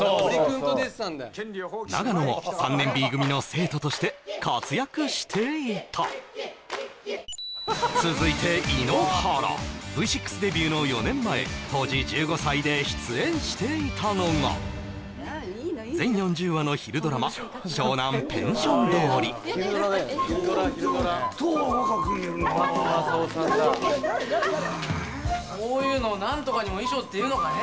長野も３年Ｂ組の生徒として活躍していた続いて井ノ原Ｖ６デビューの４年前当時１５歳で出演していたのが全４０話の昼ドラマ「湘南ペンション通り」そうは言っても十は若く見えるなこういうの「何とかにも衣装」って言うのかね